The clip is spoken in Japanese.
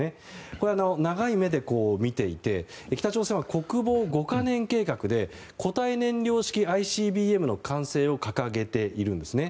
これは長い目で見ていて北朝鮮は国防５か年計画で固体燃料式ＩＣＢＭの完成を掲げているんです。